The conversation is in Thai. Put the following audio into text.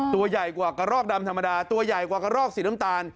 ตัวใหญ่กว่ากระรอกดำธรรมดาตัวใหญ่กว่ากระรอกสีน้ำตาล